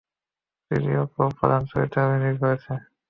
Chiyoko প্রধান চরিত্রে অভিনয় করছে।